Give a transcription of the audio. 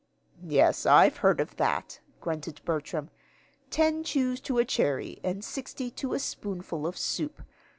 "Yes, I've heard of that," grunted Bertram; "ten chews to a cherry, and sixty to a spoonful of soup.